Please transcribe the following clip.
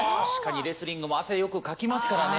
レスリングも汗をよくかきますからね。